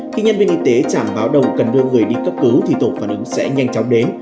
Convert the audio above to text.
khi nhân viên y tế chảm báo đầu cần đưa người đi cấp cứu thì tổ phản ứng sẽ nhanh chóng đến